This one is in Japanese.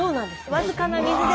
僅かな水で。